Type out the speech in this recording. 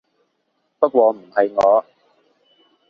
不過唔係我